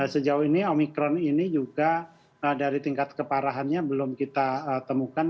sejauh ini omikron ini juga dari tingkat keparahannya belum kita temukan